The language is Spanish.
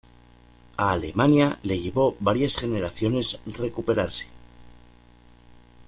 A Alemania le llevó varias generaciones recuperarse.